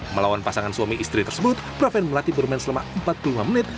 melawan pasangan suami istri tersebut praven melati bermain selama empat puluh lima menit